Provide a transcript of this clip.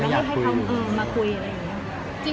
ไม่อยากคุย